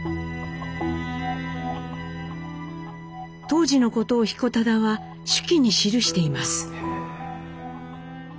当時のことを彦忠は手記に記しています。